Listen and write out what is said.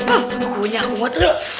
aku punya umat